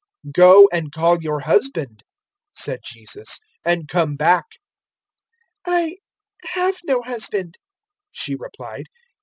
004:016 "Go and call your husband," said Jesus; "and come back." 004:017 "I have no husband," she replied.